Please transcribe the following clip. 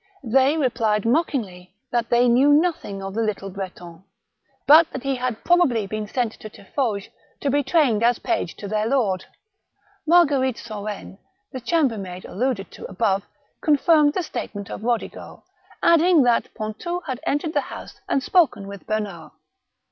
They replied mockingly that they knew nothing of the little Breton, but that he had probably been sent to Tiffauges to be trained as page to their lord. THE MABiCHAL DE BETZ. 203 Marguerite Sorain, the chambermaid alluded to ' above, confirmed the statement of Kodigo, adding that Pontou had entered the house and spoken with Bernard.